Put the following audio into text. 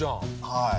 はい。